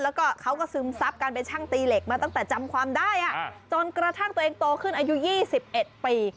แล้วก็เขาก็ซึมซับกันเป็นช่างตีเหล็กมาตั้งแต่จำความได้จนกระทั่งตัวเองโตขึ้นอายุ๒๑ปี